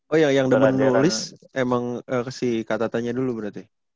oh yang demen nulis emang si kak tatanya dulu berarti